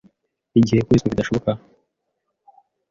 Igihe Kwezwa Bidashoboka